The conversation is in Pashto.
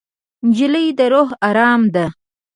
نجلۍ د روح ارام ده.